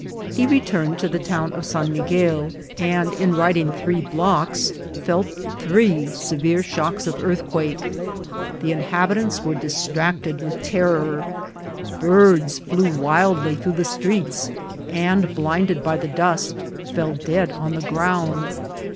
He returned to the town of San Miguel, and in riding 4 88 INCIDENTS OF TRAVEL. three blocks felt three severe shocks of earthquake. The inhabitants were distracted with terror. Birds flew wildly through the streets, and, blinded by the dust, fell dead on the ground.